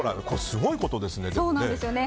すごいことですね。